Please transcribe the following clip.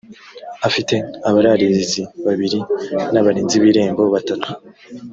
afite abararirizi babiri n’abarinzi b‘irembo batatu